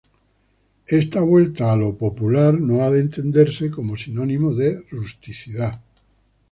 Esta vuelta a lo popular no ha de entenderse como sinónimo de rusticidad.